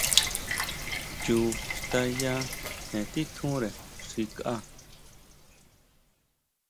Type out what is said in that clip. Chu xtaya tjen titjure xi kʼa.